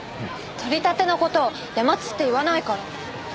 取り立ての事を出待ちって言わないから。